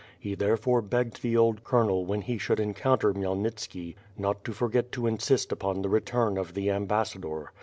He therefore begged the old colonel when he should encounter Khmyelnitski not to forget to in sist upon the return of the ambassador.